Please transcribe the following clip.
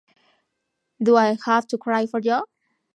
Do I Have to Cry for You?